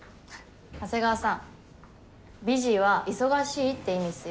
長谷川さんビジーは「忙しい」って意味っすよ。